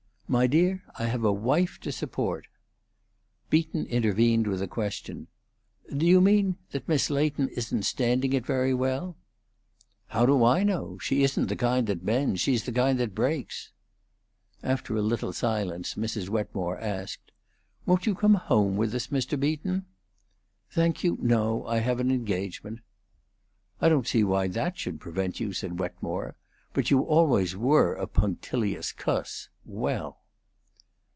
"My dear, I have a wife to support." Beaton intervened with a question. "Do you mean that Miss Leighton isn't standing it very well?" "How do I know? She isn't the kind that bends; she's the kind that breaks." After a little silence Mrs. Wetmore asked, "Won't you come home with us, Mr. Beaton?" "Thank you; no. I have an engagement." "I don't see why that should prevent you," said Wetmore. "But you always were a punctilious cuss. Well!"